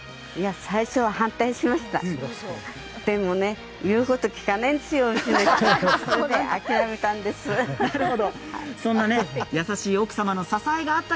最初は反対しなかった。